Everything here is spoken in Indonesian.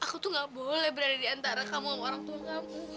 aku tuh gak boleh berada di antara kamu sama orang tua kamu